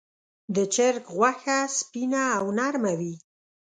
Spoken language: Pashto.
د چرګ غوښه سپینه او نرمه وي.